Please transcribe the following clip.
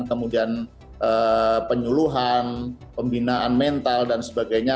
kemudian penyuluhan pembinaan mental dan sebagainya